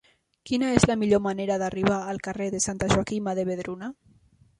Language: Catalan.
Quina és la millor manera d'arribar al carrer de Santa Joaquima de Vedruna?